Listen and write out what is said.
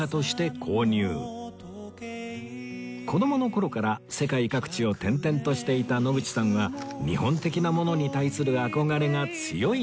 子供の頃から世界各地を転々としていた野口さんは日本的なものに対する憧れが強いんだとか